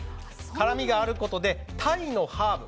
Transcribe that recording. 辛みがあることでタイのハーブ